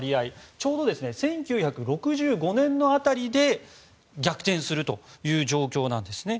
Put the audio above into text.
ちょうど１９６５年の辺りで逆転するという状況なんです。